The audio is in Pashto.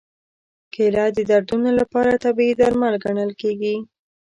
کېله د دردونو لپاره طبیعي درمل ګڼل کېږي.